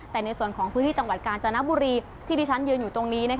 แต่ในส่วนของพื้นที่จังหวัดกาญจนบุรีที่ที่ฉันยืนอยู่ตรงนี้